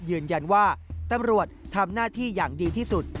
ยืนยันว่าตำรวจทำหน้าที่อย่างดีที่สุด